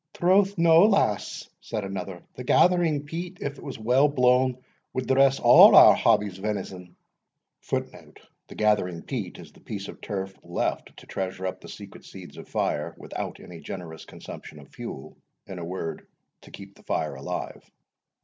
"Troth no, lass," said another; "the gathering peat, if it was weel blawn, wad dress a' our Hobbie's venison." [The gathering peat is the piece of turf left to treasure up the secret seeds of fire, without any generous consumption of fuel; in a word, to keep the fire alive.